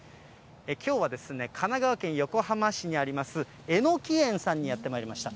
きょうは神奈川県横浜市にあります、えのき園さんにやってまいりました。